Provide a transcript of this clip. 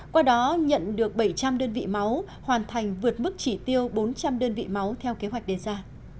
qua đó nhận được bảy trăm linh đơn vị máu hoàn thành vượt mức chỉ tiêu bốn trăm linh đơn vị máu theo kế hoạch đề ra